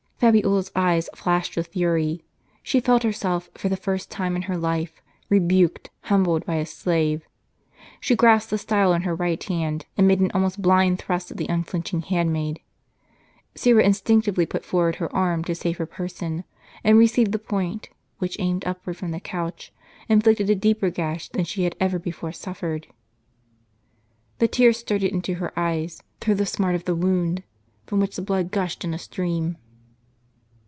* Fabiola's eyes flashed with fury ; she felt herself, for the first time in her life, rebuked, humbled by a slave. She grasped the style in her right hand, and made an almost blind thrust at the unflinching handmaid. Syra instinctively put forward her arm to save her person, and received the point, which, aimed upwards from the couch, inflicted a deeper gash than she had ever before suffered. The tears started into her eyes through the smart of the wound, from which the blood gushed in a stream.